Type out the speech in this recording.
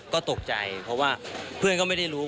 ก็ตกใจเพราะว่าเพื่อนก็ไม่ได้รู้